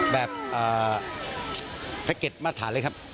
แบบแพ็กเก็ตมาตรฐานเลยครับ